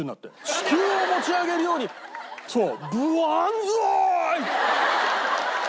地球を持ち上げるようにそう。